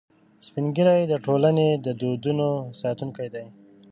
سپین ږیری د ټولنې د دودونو ساتونکي دي